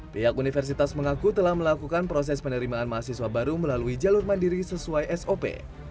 pihak universitas mengaku telah melakukan proses penerimaan mahasiswa baru melalui jalur mandiri sesuai sop